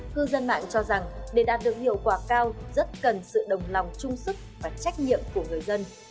cư dân mạng cho rằng để đạt được hiệu quả cao rất cần sự đồng lòng trung sức và trách nhiệm của người dân